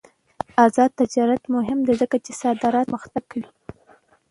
آزاد تجارت مهم دی ځکه چې صادرات پرمختګ کوي.